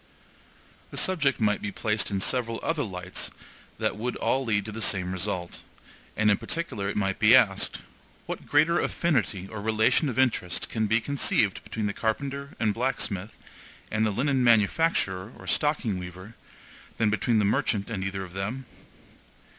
The subject might be placed in several other lights that would all lead to the same result; and in particular it might be asked, What greater affinity or relation of interest can be conceived between the carpenter and blacksmith, and the linen manufacturer or stocking weaver, than between the merchant and either of them?